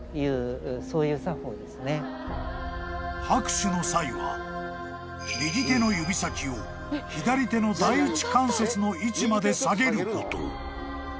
［拍手の際は右手の指先を左手の第一関節の位置まで下げること］